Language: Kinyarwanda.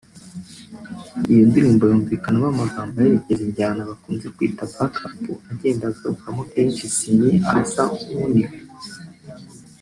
Iyo ndirimbo yumvikanamo amagambo aherekeza injyana bakunze kwita “backups” agenda agarukamo kenshi Ciney aba asa n’uniha